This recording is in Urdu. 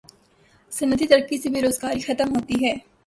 صنعتی ترقی سے بے روزگاری ختم ہوتی ہے